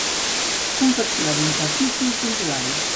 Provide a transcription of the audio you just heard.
Confecció d'interfícies d'usuari.